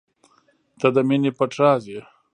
• ته د مینې پټ راز یې.